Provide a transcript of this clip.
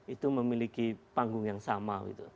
itu memiliki panggung yang sama